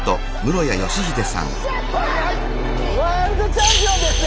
ワールドチャンピオンですね！